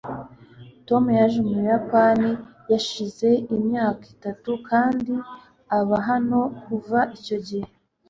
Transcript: tom yaje mu buyapani hashize imyaka itatu kandi aba hano kuva icyo gihe